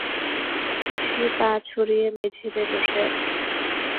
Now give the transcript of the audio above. সে পা ছড়িয়ে মেঝেতে বসে আছে।